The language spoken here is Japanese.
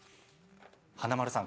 華丸さん